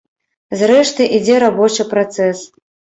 Зрэшты, ідзе рабочы працэс.